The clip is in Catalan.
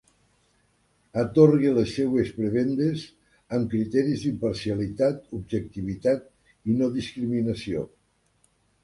Atorgue les seues prebendes amb criteris d'imparcialitat, objectivitat i no discriminació.